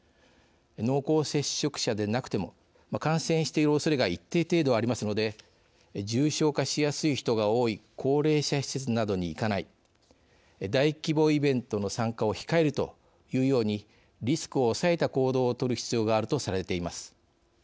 濃厚接触者でなくても感染しているおそれが一定程度ありますので重症化しやすい人が多い高齢者施設などに行かない大規模イベントの参加を控えるというようにリスクを抑えた行動を取る必要があるとされています。